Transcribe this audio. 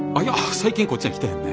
最近こっちは来てへんで。